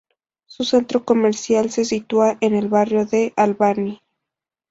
Su centro comercial se sitúa en el barrio de Albany.